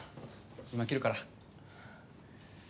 今切るから。